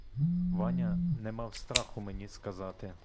Ваня не мав страху мені сказати.